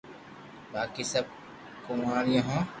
باقي سب ڪوواريو ھو